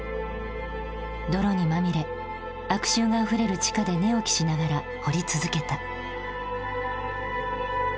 泥にまみれ悪臭があふれる地下で寝起きしながら掘り続けた。